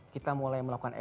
kita mulai melakukan efek